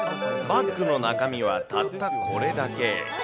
バッグの中身はたったこれだけ。